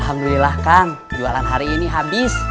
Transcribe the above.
alhamdulillah kang jualan hari ini habis